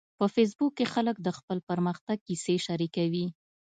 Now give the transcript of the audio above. په فېسبوک کې خلک د خپل پرمختګ کیسې شریکوي